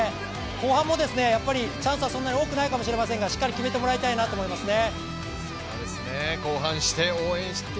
後半も、チャンスはそんなに多くないかもしれませんがしっかり決めてもらいたいなと思いますね。